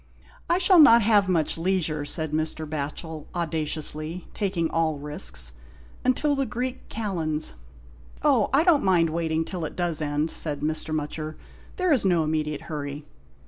145 anOST TALES. "I shall not have much leisure," said Mr. Batchel, audaciously, taking all risks, " until the Greek Kalends." " Oh, I don't mind waiting till it does end," said Mr. Mutcher, " there is no immediate 'urry."